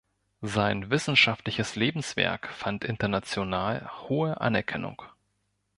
Sein wissenschaftliches Lebenswerk fand international hohe Anerkennung.